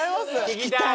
聴きたい！